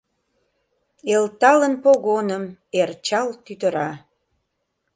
Элталын погоным Эр чал тӱтыра.